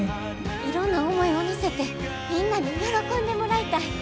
いろんな思いを乗せてみんなに喜んでもらいたい。